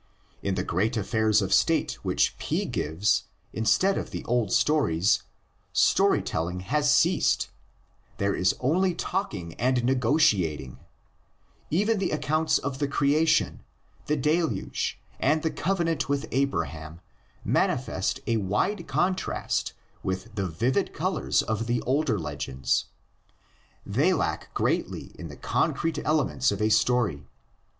In the great affairs of state which P gives instead of the old stories, story telling has ceased, there is only talking and negotiating (Wellhausen). Even the accounts of the Creation, the Deluge and the Covenant with Abraham manifest a wide contrast with the vivid colors of the older legends; they lack greatly in the concrete elements of a story.